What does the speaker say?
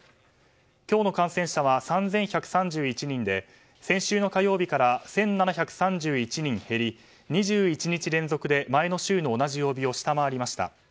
今日の感染者は３１３１人で先週の火曜日から１７３１人減り２１日連続で前の週の同じ曜日を下回りました。